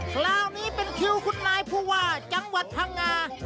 คราวนี้เป็นคิวคุณนายผู้ว่าจังหวัดพังงา